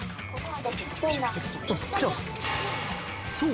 ［そう！